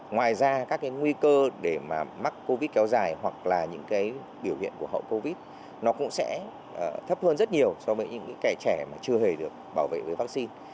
ngoài ra các cái nguy cơ để mắc covid kéo dài hoặc là những cái biểu hiện của hậu covid nó cũng sẽ thấp hơn rất nhiều so với những kẻ trẻ mà chưa hề được bảo vệ với vaccine